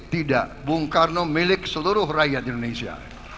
tidak bung karno milik seluruh rakyat indonesia